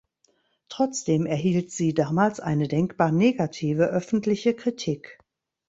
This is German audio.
Trotzdem erhielt sie damals eine denkbar negative öffentliche Kritik.